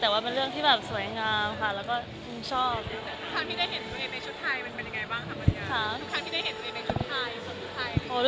แต่มันสวยแบบสวยงาม